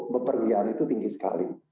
bepergian itu tinggi sekali